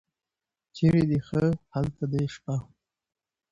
چېرې دې ښه هلته دې شپه.